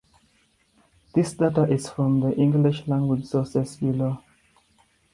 This data is from the English-language sources below.